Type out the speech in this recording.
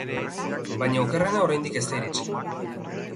Baina okerrena oraindik ez da iritsi.